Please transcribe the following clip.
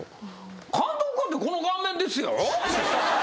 監督かてこの顔面ですよ。